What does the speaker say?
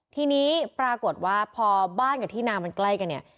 ทีนี้ปรากฏว่าพอบ้านกับที่นามันใกล้กันเนี่ย